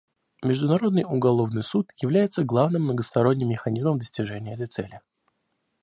Международный уголовный суд является главным многосторонним механизмом достижения этой цели.